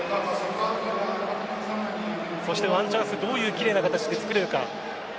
そしてワンチャンスどういう奇麗な形でつくれるか。